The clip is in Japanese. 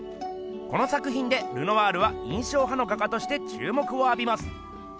この作ひんでルノワールは印象派の画家としてちゅうもくをあびます。